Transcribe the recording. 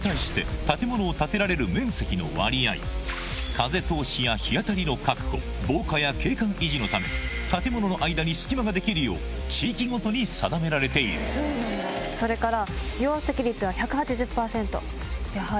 風通しや日当たりの確保防火や景観維持のため建物の間に隙間ができるよう地域ごとに定められているそれから。